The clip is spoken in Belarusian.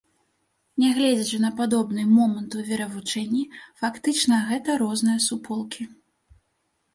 Нягледзячы на падобныя моманты ў веравучэнні, фактычна гэта розныя суполкі.